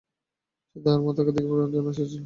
সে তাহার মাতাকে দেখিবার জন্য আসিয়াছিল।